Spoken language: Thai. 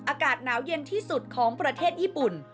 อากาศหนาวเย็นที่สุดของประเทศญี่ปุ่น